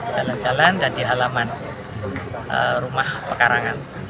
jalan jalan dan di halaman rumah pekarangan